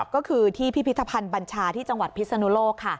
ก็คือที่พิพิธภัณฑ์บัญชาที่จังหวัดพิศนุโลก